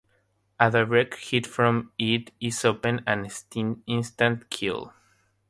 A direct hit from it is often an instant kill.